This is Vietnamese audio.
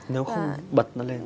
nếu không bật nó lên